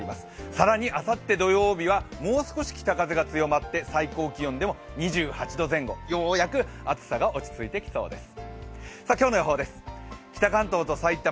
更にあさって土曜日はもう少し北風が強まって最高気温でも２８度前後、ようやく暑さが落ち着いてきそうです。